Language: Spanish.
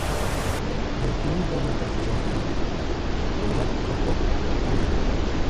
ÉL le dio igualmente acceso a sus notas a Coenraad Jacob Temminck.